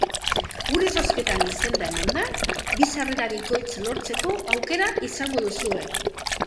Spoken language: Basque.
Gure zozketan izena emanda, bi sarrera bikoitz lortzeko aukera izango duzue.